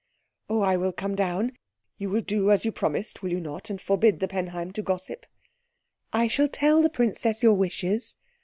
"Oh, I will come down. You will do as you promised, will you not, and forbid the Penheim to gossip?" "I shall tell the princess your wishes."